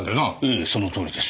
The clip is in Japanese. ええそのとおりです。